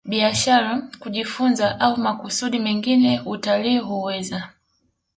biashara kujifunza au makusudi mengine Utalii huweza